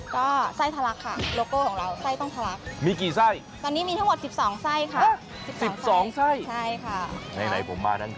ก็ไส้ทะลักค่ะโลโก้ของเราไส้ต้องทะลัก